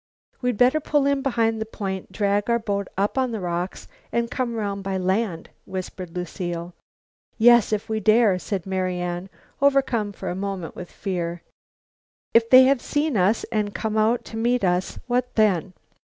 "We'd better pull in behind the point, drag our boat up on the rocks and come round by land," whispered Lucile. "Yes, if we dare," said Marian, overcome for a moment with fear. "If they have seen us and come out to meet us, what then?"